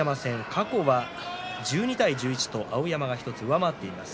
過去は１２対１１と碧山が１つ、上回っています。